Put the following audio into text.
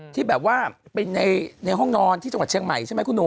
ที่แบบว่าเป็นในห้องนอนที่จังหวัดเชียงใหม่ใช่ไหมคุณหนุ่ม